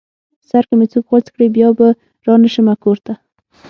سر که مې څوک غوڅ کړې بيا به رانشمه کور ته